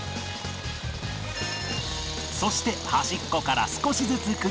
そして端っこから少しずつ崩していく